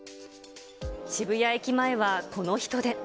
渋谷駅前はこの人出。